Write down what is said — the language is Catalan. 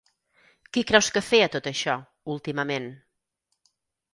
Qui creus que feia tot això, últimament?